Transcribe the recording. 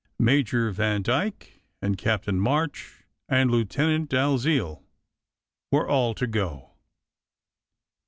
Major Vandyke and Captain March and Lieutenant Dal ziel were all to go.